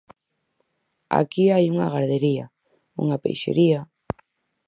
Aquí hai unha gardería, unha peixería...